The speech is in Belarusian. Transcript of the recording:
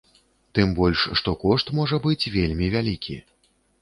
Тым больш, што кошт можа быць вельмі вялікі.